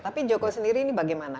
tapi joko sendiri ini bagaimana